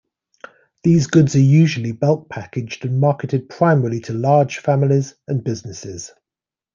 These goods are usually bulk-packaged and marketed primarily to large families and businesses.